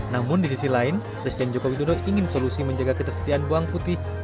namun di sisi lain residen jokowi tunduk ingin solusi menjaga ketersediaan bawang putih